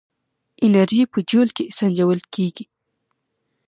انرژي په جول کې سنجول کېږي.